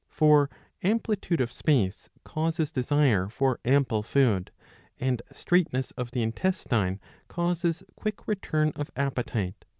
For amplitude of space causes desire for ample food, and straight , ness of the intestine causes quick return of appetite.